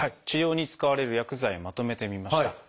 治療に使われる薬剤まとめてみました。